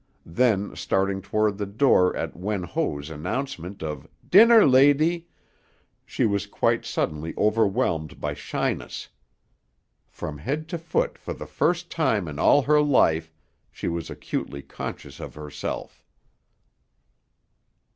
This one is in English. Then, starting toward the door at Wen Ho's announcement of "Dinner, lady," she was quite suddenly overwhelmed by shyness. From head to foot for the first time in all her life she was acutely conscious of herself.